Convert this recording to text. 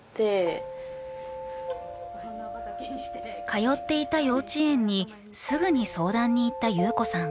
通っていた幼稚園にすぐに相談に行った優子さん。